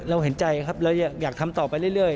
เห็นใจครับเราอยากทำต่อไปเรื่อย